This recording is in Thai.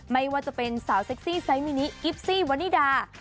ไม่ว่าจะเป็นสาวเซ็กซี่ไซมินิกิฟซี่วันนิดา